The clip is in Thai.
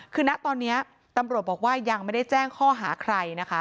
คือณตอนนี้ตำรวจบอกว่ายังไม่ได้แจ้งข้อหาใครนะคะ